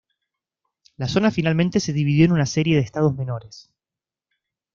La zona finalmente se dividió en una serie de Estados menores.